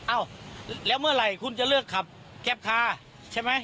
อ้าวแล้วเมื่อไหร่คุณจะเลือกขับแก๊ปคาใช่ไหม